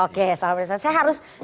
oke salam restorasi